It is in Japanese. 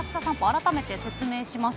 改めて説明します。